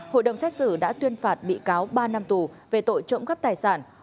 hội đồng xét xử đã tuyên phạt bị cáo ba năm tù về tội trộm cắp tài sản